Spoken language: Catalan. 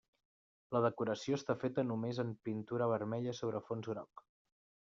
La decoració està feta només en pintura vermella sobre fons groc.